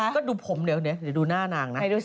ก็ดูผมเดี๋ยวนะเดี๋ยวดูหน้านางนะ